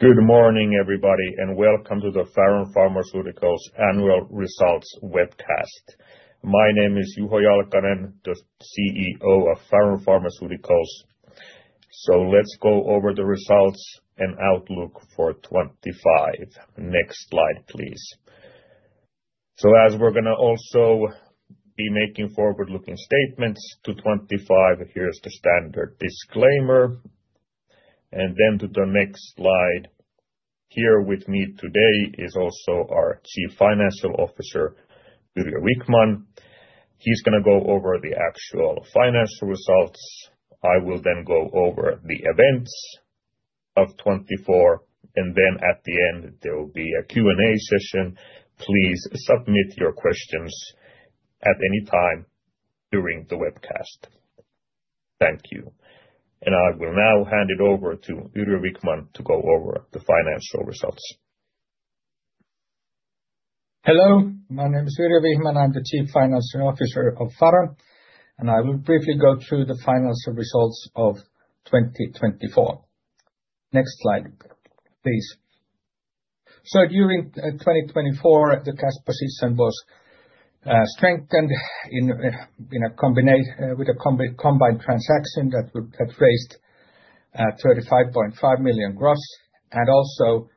Good morning, everybody, and welcome to the Faron Pharmaceuticals Annual Results webcast. My name is Juho Jalkanen, CEO of Faron Pharmaceuticals. So let's go over the results and outlook for 2025. Next slide, please. So as we're going to also be making forward-looking statements to 2025, here's the standard disclaimer. And then to the next slide, here with me today is also our Chief Financial Officer, Yrjö Wichmann. He's going to go over the actual financial results. I will then go over the events of 2024. And then at the end, there will be a Q&A session. Please submit your questions at any time during the webcast. Thank you. And I will now hand it over to Yrjö Wichmann to go over the financial results. Hello, my name is Yrjö Wichmann. I'm the Chief Financial Officer of Faron. And I will briefly go through the financial results of 2024. Next slide, please. So during 2024, the cash position was strengthened with a combined transaction that raised 35.5 million gross and also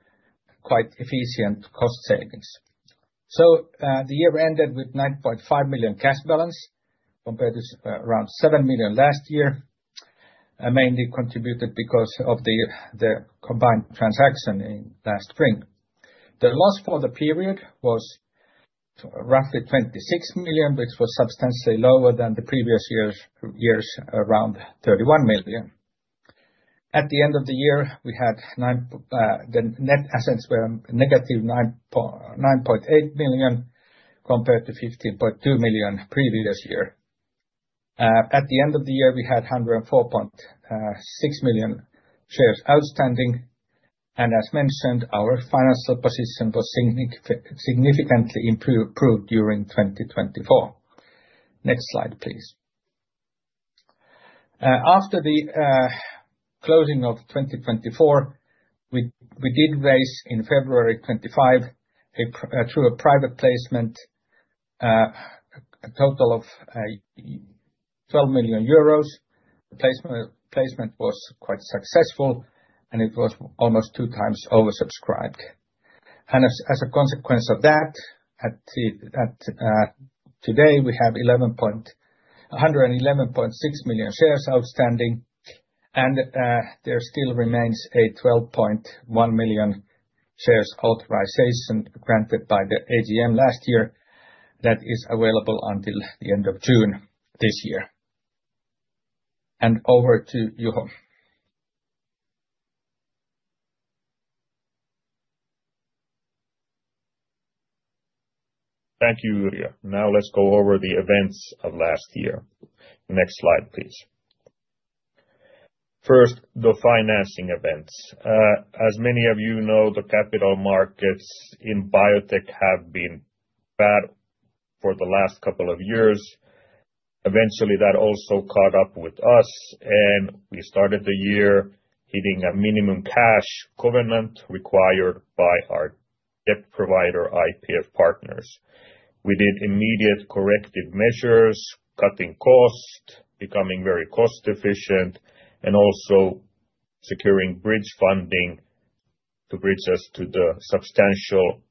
quite efficient cost savings. So the year ended with a 9.5 million cash balance compared to around 7 million last year, mainly contributed because of the combined transaction last spring. The loss for the period was roughly 26 million, which was substantially lower than the previous year's years, around 31 million. At the end of the year, we had the net assets were negative 9.8 million compared to 15.2 million previous year. At the end of the year, we had 104.6 million shares outstanding. And as mentioned, our financial position was significantly improved during 2024. Next slide, please. After the closing of 2024, we did raise in February 2025 through a private placement a total of 12 million euros. The placement was quite successful, and it was almost two times oversubscribed. And as a consequence of that, today we have 111.6 million shares outstanding. And there still remains a 12.1 million shares authorization granted by the AGM last year that is available until the end of June this year. And over to Juho. Thank you, Yrjö. Now let's go over the events of last year. Next slide, please. First, the financing events. As many of you know, the capital markets in biotech have been bad for the last couple of years. Eventually, that also caught up with us, and we started the year hitting a minimum cash covenant required by our debt provider IPF Partners. We did immediate corrective measures, cutting cost, becoming very cost-efficient, and also securing bridge funding to bridge us to the substantial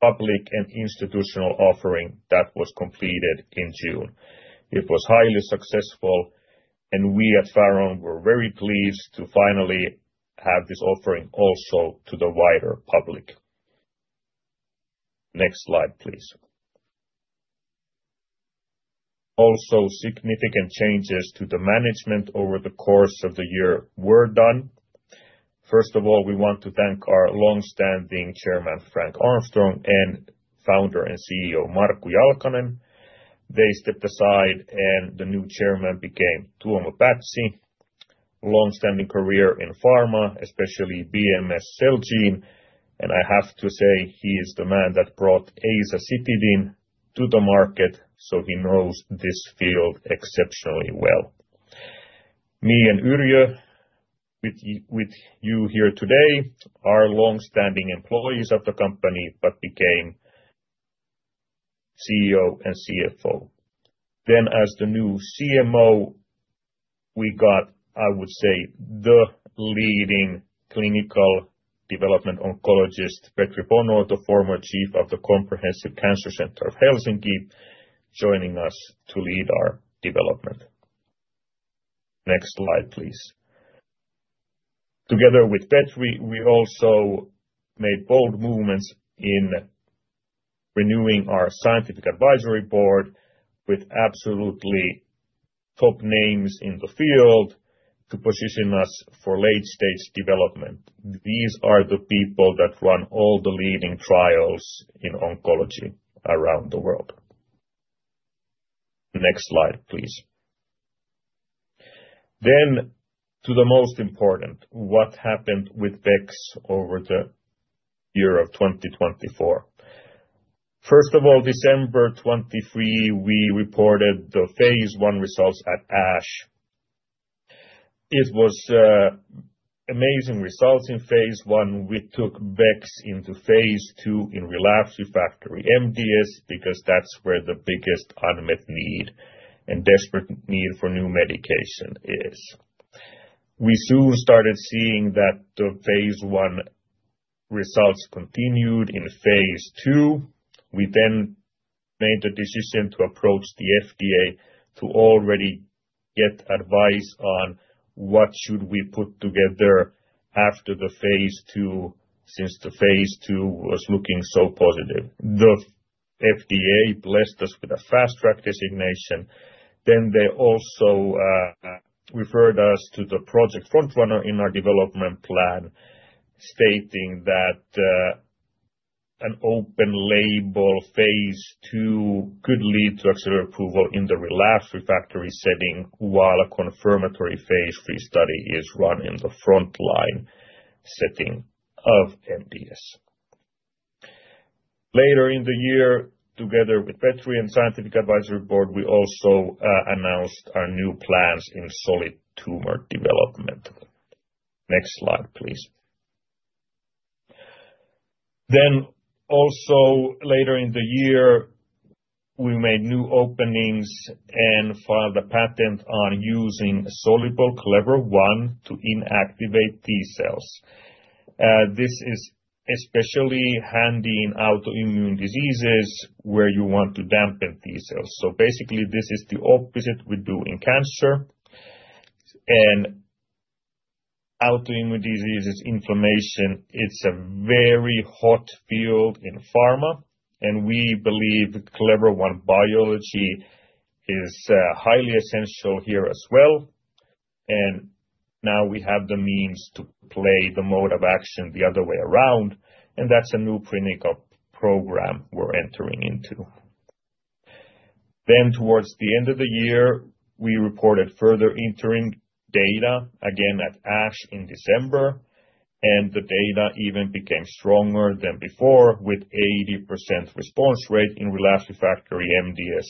public and institutional offering that was completed in June. It was highly successful, and we at Faron were very pleased to finally have this offering also to the wider public. Next slide, please. Also, significant changes to the management over the course of the year were done. First of all, we want to thank our longstanding chairman, Frank Armstrong, and founder and CEO, Markku Jalkanen. They stepped aside, and the new chairman became Tuomo Pätsi. Longstanding career in pharma, especially BMS Celgene. And I have to say, he is the man that brought azacitidine to the market, so he knows this field exceptionally well. Me and Yrjö, with you here today, are longstanding employees of the company but became CEO and CFO. Then, as the new CMO, we got, I would say, the leading clinical development oncologist, Petri Bono, the former chief of the Comprehensive Cancer Center of Helsinki, joining us to lead our development. Next slide, please. Together with Petri, we also made bold movements in renewing our scientific advisory board with absolutely top names in the field to position us for late-stage development. These are the people that run all the leading trials in oncology around the world. Next slide, please. Then to the most important, what happened with bexmarilimab over the year of 2024? First of all, December 2023, we reported the phase one results at ASH. It was amazing results in phase one. We took bexmarilimab into phase two in relapsed/refractory MDS because that's where the biggest unmet need and desperate need for new medication is. We soon started seeing that the phase one results continued in phase two. We then made the decision to approach the FDA to already get advice on what should we put together after the phase two since the phase two was looking so positive. The FDA blessed us with a fast-track designation. They also referred us to the Project FrontRunner in our development plan, stating that an open-label phase two could lead to accelerated approval in the relapsed/refractory setting while a confirmatory phase three study is run in the frontline setting of MDS. Later in the year, together with Petri and the scientific advisory board, we also announced our new plans in solid tumor development. Next slide, please. Then also later in the year, we made new openings and filed a patent on using soluble Clever-1 to inactivate T cells. This is especially handy in autoimmune diseases where you want to dampen T cells. So basically, this is the opposite we do in cancer. And autoimmune diseases, inflammation, it's a very hot field in pharma. And we believe Clever-1 biology is highly essential here as well. Now we have the means to play the mode of action the other way around. That's a new clinical program we're entering into. Towards the end of the year, we reported further interim data again at ASH in December. The data even became stronger than before with an 80% response rate in relapsed/refractory MDS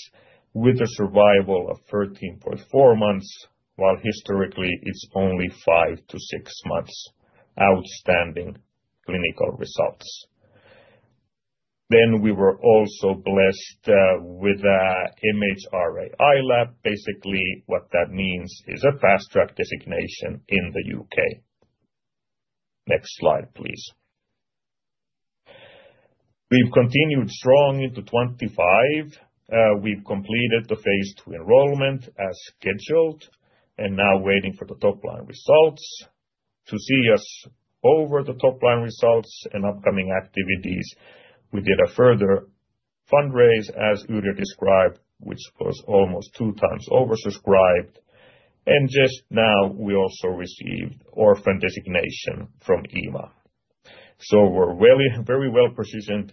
with a survival of 13.4 months while historically it's only five to six months. Outstanding clinical results. We were also blessed with an MHRA ILAP. Basically, what that means is a fast-track designation in the UK. Next slide, please. We've continued strong into 2025. We've completed the phase two enrollment as scheduled and now waiting for the top-line results. To tide us over the top-line results and upcoming activities, we did a further fundraise, as Yrjö described, which was almost two times oversubscribed. Just now we also received an orphan designation from EMA. We're very well positioned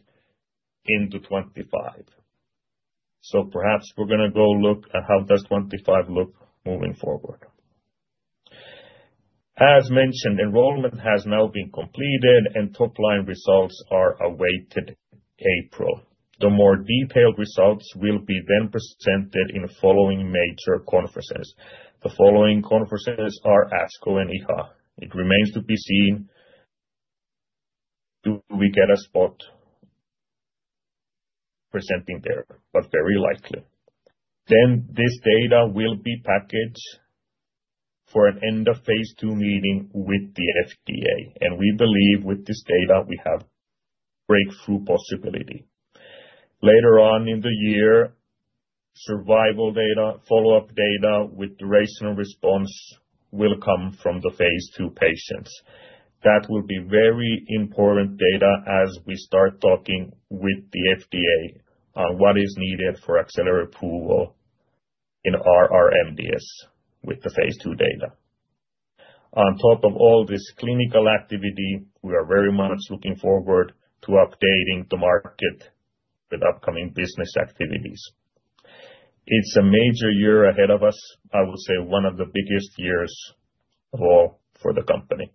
into 2025. Perhaps we're going to go look at how 2025 looks moving forward. As mentioned, enrollment has now been completed and top-line results are awaited in April. The more detailed results will then be presented in the following major conferences. The following conferences are ASCO and EHA. It remains to be seen if we get a spot presenting there, but very likely. This data will be packaged for an end-of-phase two meeting with the FDA. We believe with this data we have breakthrough possibility. Later on in the year, survival data, follow-up data with duration and response will come from the phase two patients. That will be very important data as we start talking with the FDA on what is needed for accelerated approval in our MDS with the phase two data. On top of all this clinical activity, we are very much looking forward to updating the market with upcoming business activities. It's a major year ahead of us. I would say one of the biggest years of all for the company.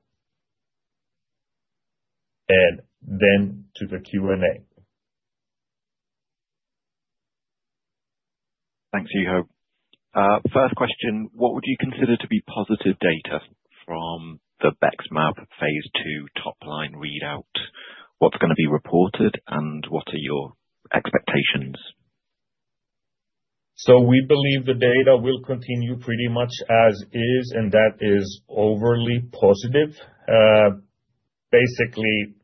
And then to the Q&A. Thanks, Juho. First question, what would you consider to be positive data from the BEXMAB phase 2 top line readout? What's going to be reported and what are your expectations? So we believe the data will continue pretty much as is, and that is overly positive. Basically,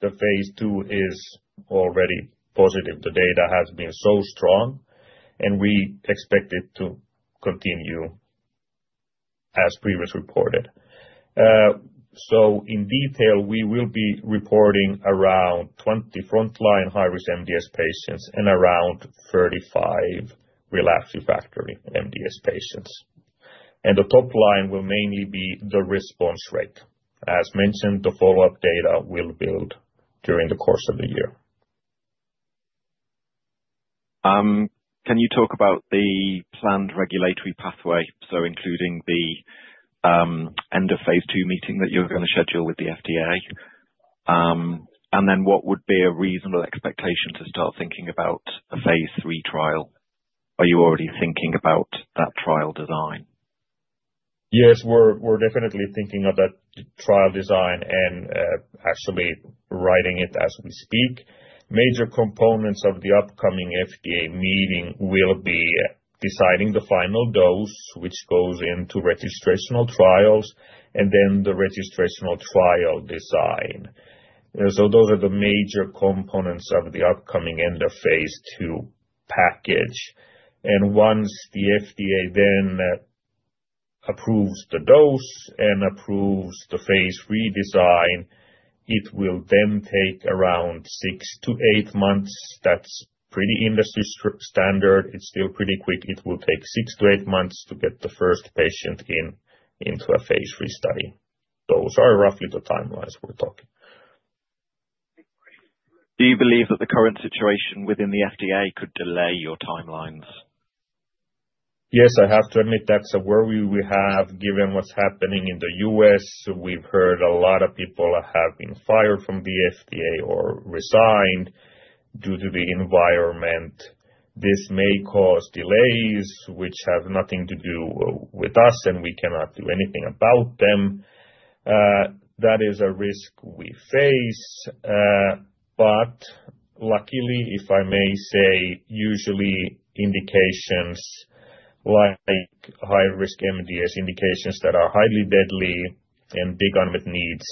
phase 2 is already positive. The data has been so strong, and we expect it to continue as previously reported. So in detail, we will be reporting around 20 frontline high-risk MDS patients and around 35 relapsed/refractory MDS patients. And the top line will mainly be the response rate. As mentioned, the follow-up data will build during the course of the year. Can you talk about the planned regulatory pathway, so including the end-of-phase two meeting that you're going to schedule with the FDA? And then what would be a reasonable expectation to start thinking about a phase three trial? Are you already thinking about that trial design? Yes, we're definitely thinking of that trial design and actually writing it as we speak. Major components of the upcoming FDA meeting will be deciding the final dose, which goes into registrational trials, and then the registrational trial design. So those are the major components of the upcoming end-of-phase 2 package. And once the FDA then approves the dose and approves the phase 3 design, it will then take around six to eight months. That's pretty industry standard. It's still pretty quick. It will take six to eight months to get the first patient into a phase 3 study. Those are roughly the timelines we're talking. Do you believe that the current situation within the FDA could delay your timelines? Yes, I have to admit that's a worry we have given what's happening in the U.S. We've heard a lot of people have been fired from the FDA or resigned due to the environment. This may cause delays, which have nothing to do with us, and we cannot do anything about them. That is a risk we face. But luckily, if I may say, usually indications like high-risk MDS indications that are highly deadly and big unmet needs,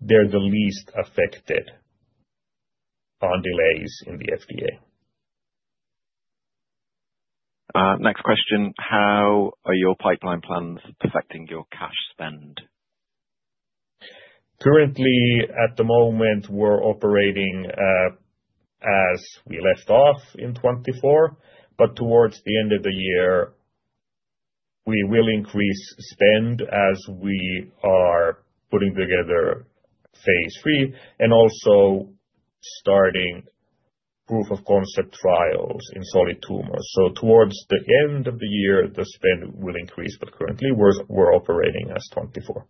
they're the least affected on delays in the FDA. Next question, how are your pipeline plans affecting your cash spend? Currently, at the moment, we're operating as we left off in 2024, but towards the end of the year, we will increase spend as we are putting together phase 3 and also starting proof of concept trials in solid tumors, so towards the end of the year, the spend will increase, but currently, we're operating as 2024.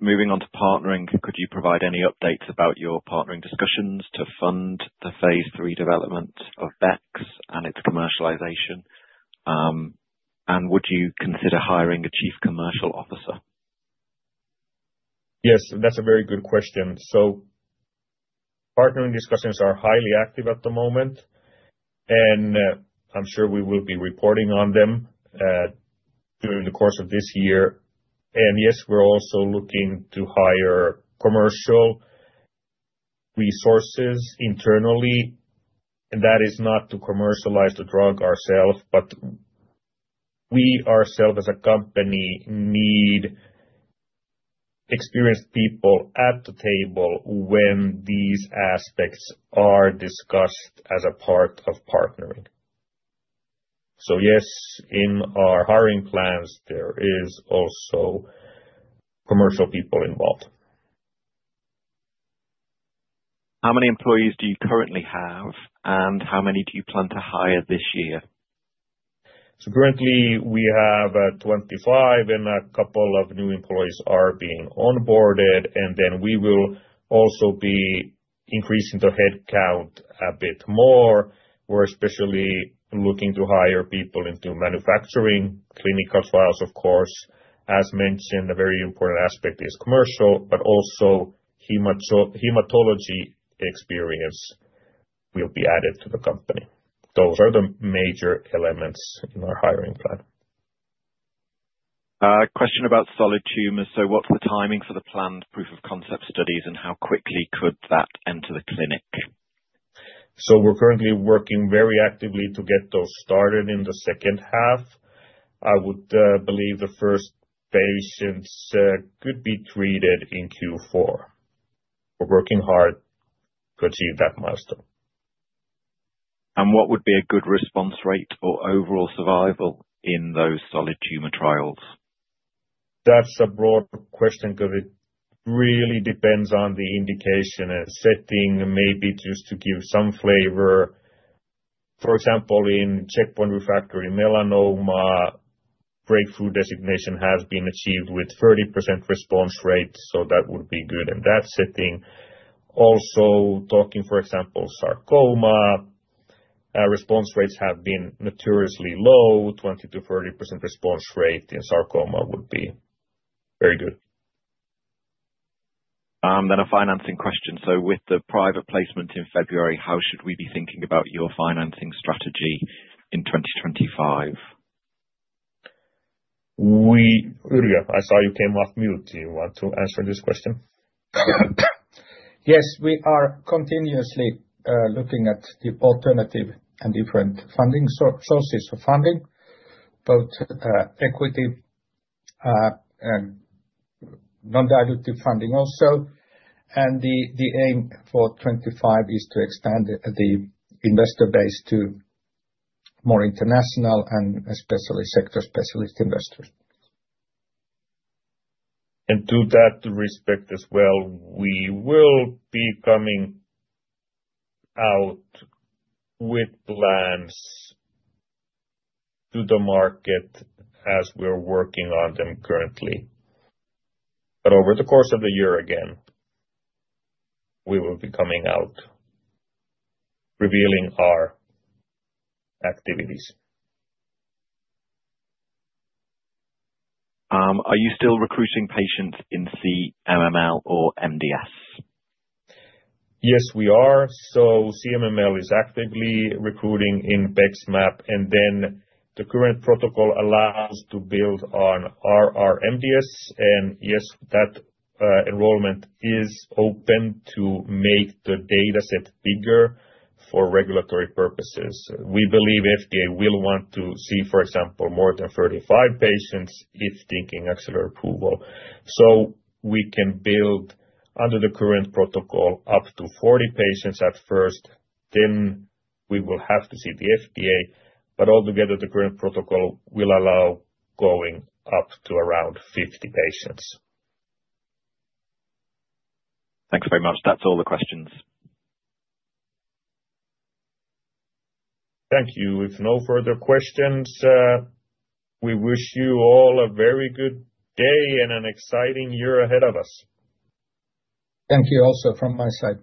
Moving on to partnering, could you provide any updates about your partnering discussions to fund the phase three development of Bex and its commercialization? And would you consider hiring a chief commercial officer? Yes, that's a very good question. So partnering discussions are highly active at the moment, and I'm sure we will be reporting on them during the course of this year. And yes, we're also looking to hire commercial resources internally. And that is not to commercialize the drug ourselves, but we ourselves, as a company, need experienced people at the table when these aspects are discussed as a part of partnering. So yes, in our hiring plans, there are also commercial people involved. How many employees do you currently have, and how many do you plan to hire this year? Currently, we have 25, and a couple of new employees are being onboarded. We will also be increasing the headcount a bit more. We're especially looking to hire people into manufacturing, clinical trials, of course. As mentioned, a very important aspect is commercial, but also hematology experience will be added to the company. Those are the major elements in our hiring plan. Question about solid tumors. So what's the timing for the planned proof of concept studies, and how quickly could that enter the clinic? So we're currently working very actively to get those started in the second half. I would believe the first patients could be treated in Q4. We're working hard to achieve that milestone. What would be a good response rate or overall survival in those solid tumor trials? That's a broad question because it really depends on the indication and setting, maybe just to give some flavor. For example, in checkpoint refractory melanoma, breakthrough designation has been achieved with 30% response rate. So that would be good in that setting. Also talking, for example, sarcoma, response rates have been notoriously low. 20%-30% response rate in sarcoma would be very good. Then a financing question. So with the private placement in February, how should we be thinking about your financing strategy in 2025? Yrjö, I saw you came off mute. Do you want to answer this question? Yes, we are continuously looking at the alternative and different funding sources of funding, both equity and non-dilutive funding also, and the aim for 2025 is to expand the investor base to more international and especially sector-specialist investors. And to that respect as well, we will be coming out with plans to the market as we're working on them currently. But over the course of the year, again, we will be coming out revealing our activities. Are you still recruiting patients in CMML or MDS? Yes, we are. So CMML is actively recruiting in BEXMAB. And then the current protocol allows us to build on our R/R MDS. And yes, that enrollment is open to make the dataset bigger for regulatory purposes. We believe the FDA will want to see, for example, more than 35 patients if thinking accelerated approval. So we can build under the current protocol up to 40 patients at first. Then we will have to see the FDA. But altogether, the current protocol will allow going up to around 50 patients. Thanks very much. That's all the questions. Thank you. If no further questions, we wish you all a very good day and an exciting year ahead of us. Thank you also from my side.